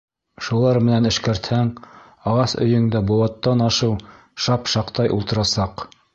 Шулар менән эшкәртһәң, ағас өйөң дә быуаттан ашыу шап-шаҡтай ултырасаҡ.